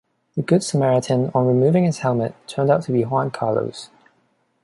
The good Samaritan, on removing his helmet, turned out to be Juan Carlos.